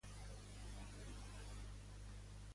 Mira, tu, tu acabes de demanar-li que sigui la teva dona.